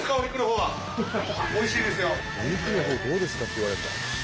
「お肉のほうどうですか？」って言われるんだ。